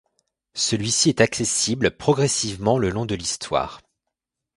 Celui-ci est accessible progressivement le long de l'histoire.